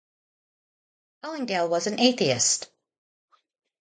Hollingdale was an atheist.